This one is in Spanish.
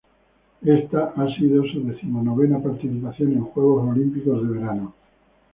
Esta ha sido su decimonovena participación en Juegos Olímpicos de Verano.